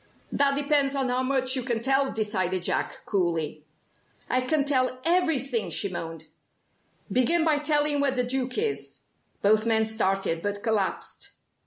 "That depends on how much you can tell," decided Jack, coolly. "I can tell everything," she moaned. "Begin by telling where the Duke is." Both men started, but collapsed.